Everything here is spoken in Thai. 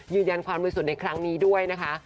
ยืนยันความบริสุทธิ์ในครั้งนี้ด้วยนะคะ